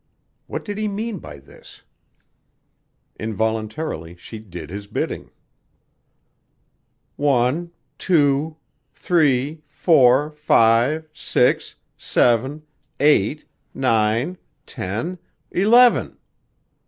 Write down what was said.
What did he mean by this? Involuntarily she did his bidding. "One, two, three, four, five, six, seven, eight, nine, ten, eleven!"